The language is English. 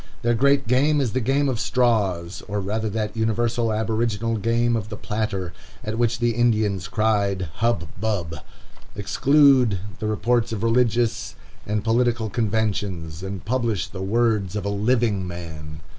Their great game is the game of straws, or rather that universal aboriginal game of the platter, at which the Indians cried hub, bub! Exclude the reports of religious and political conventions, and publish the words of a living man.